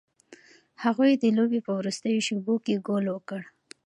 هغوی د لوبې په وروستیو شیبو کې ګول وکړ.